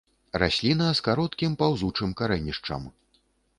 Расліна з кароткім, паўзучым карэнішчам.